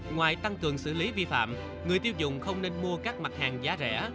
ngoài tăng cường xử lý vi phạm người tiêu dùng không nên mua các mặt hàng giá rẻ